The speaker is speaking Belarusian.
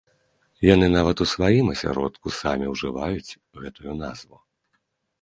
Яны нават у сваім асяродку самі ўжываюць гэтую назву.